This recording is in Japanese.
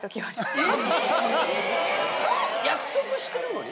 約束してるのに？